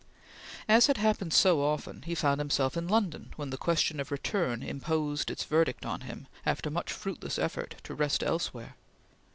As had happened so often, he found himself in London when the question of return imposed its verdict on him after much fruitless effort to rest elsewhere.